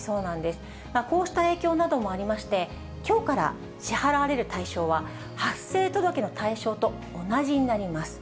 こうした影響などもありまして、きょうから、支払われる対象は、発生届の対象と同じになります。